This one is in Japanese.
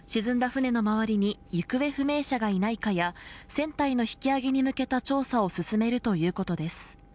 船の周りに行方不明者がいないかや船体の引き揚げに向けた調査を進めるということです